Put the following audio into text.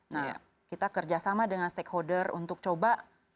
nah kita kerja sama dengan stakeholder untuk coba